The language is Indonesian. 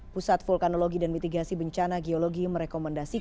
pusat vulkanologi dan mitigasi bencana geologi merekomendasikan